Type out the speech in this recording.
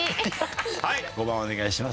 はい５番お願いします。